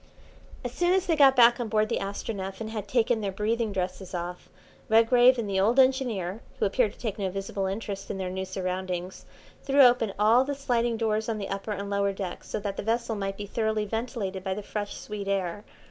As soon as they got back on board the Astronef and had taken their breathing dresses off, Redgrave and the old engineer, who appeared to take no visible interest in their new surroundings, threw open all the sliding doors on the upper and lower decks so that the vessel might be thoroughly ventilated by the fresh sweet air.